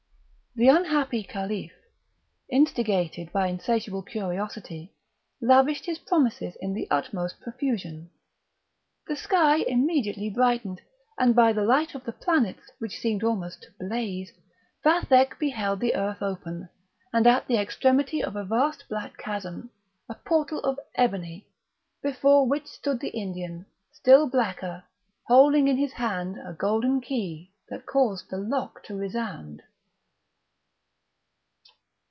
The unhappy Caliph, instigated by insatiable curiosity, lavished his promises in the utmost profusion. The sky immediately brightened; and by the light of the planets, which seemed almost to blaze, Vathek beheld the earth open, and at the extremity of a vast black chasm, a portal of ebony, before which stood the Indian, still blacker, holding in his hand a golden key that caused the lock to resound.